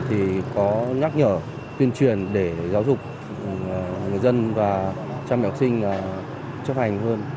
thì có nhắc nhở tuyên truyền để giáo dục người dân và trang biểu học sinh chấp hành hơn